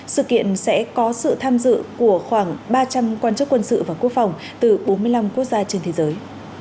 sự kiện sẽ có sự tham dự của khoảng ba trăm linh quan chức quân sự và quốc phòng từ bốn mươi năm quốc gia trên thế giới